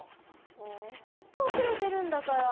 もう本当遅れてるんだから。